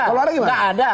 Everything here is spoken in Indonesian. kalau ada gimana